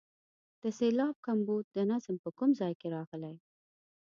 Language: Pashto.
د سېلاب کمبود د نظم په کوم ځای کې راغلی.